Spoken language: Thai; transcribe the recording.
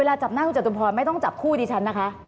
จับหน้าคุณจตุพรไม่ต้องจับคู่ดิฉันนะคะ